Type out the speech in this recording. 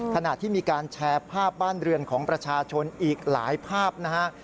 ขณะที่มีการแชร์ภาพบ้านเรือนของประชาชนอีกหลายภาพนะฮะ